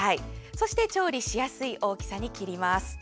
そして調理しやすい大きさに切ります。